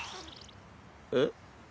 えっ？